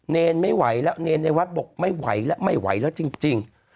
เนรไม่ไหวแล้วเนรในวัดบอกไม่ไหวแล้วไม่ไหวแล้วจริง